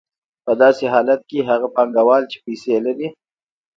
په داسې حالت کې هغه پانګوال چې پیسې لري